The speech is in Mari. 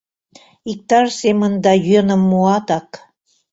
Иктаж семын да йӧным муатак.